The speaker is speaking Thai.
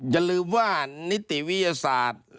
อย่าลืมว่านิติวิทยาศาสตร์